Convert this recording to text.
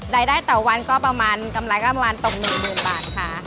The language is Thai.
รายได้ต่อวันก็ประมาณกำไรก็ประมาณตรง๑๐๐๐๐บาทค่ะ